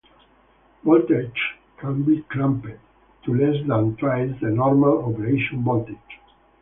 Voltages can be clamped to less than twice the normal operation voltage.